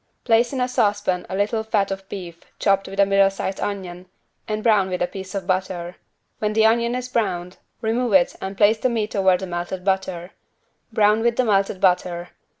Place in a saucepan a little fat of beef chopped with a middle sized onion and brown with a piece of butter. When the onion is browned, remove it and place the meat over the melted butter. Brown with melted butter.